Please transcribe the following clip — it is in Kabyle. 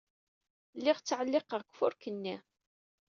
Lliɣ ttɛelliqeɣ deg ufurk-nni.